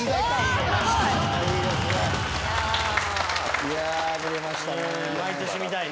いや見れましたね。